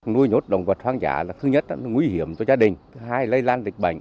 nuôi nhốt động vật quan giả là thứ nhất là nguy hiểm cho gia đình thứ hai là lây lan lịch bệnh